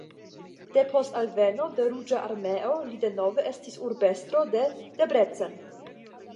Depost alveno de Ruĝa Armeo li denove estis urbestro de Debrecen.